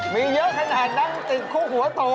มีเยอะขนาดนั้นจึงคุกหัวโตเลยนะ